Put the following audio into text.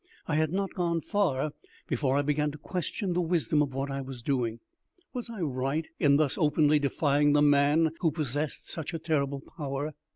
I had not gone far before I began to question the wisdom of what I was doing. Was I right in thus openly defying the man who possessed such a terrible power?